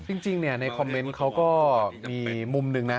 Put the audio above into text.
จริงในคอมเมนต์เขาก็มีมุมหนึ่งนะ